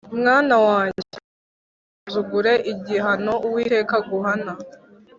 Mwana wanjye, ntugasuzugure igihano Uwiteka aguhana